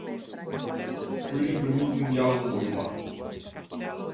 Por iso permite un diálogo moi humano.